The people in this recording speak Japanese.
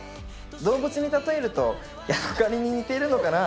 動物に例えるとヤドカリに似てるのかな。